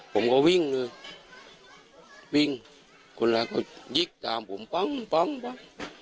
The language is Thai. ผมก็วิ่งเลยวิ่งคนร้ายก็ยิกตามผมปั้งปั้งปั้ง